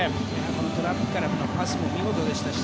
このトラップからパスも見事でしたし。